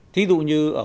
thí dụ như ở khu